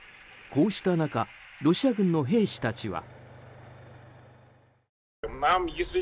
こうした中ロシア軍の兵士たちは。